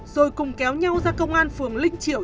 rồi cùng kéo nhau ra công an phường linh triệu